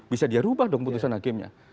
bisa dia rubah dong putusan hakimnya